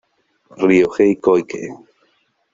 Ryohei Koike